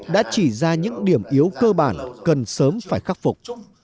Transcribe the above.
đã chỉ ra những điểm yếu cơ bản cần sớm phải khắc phục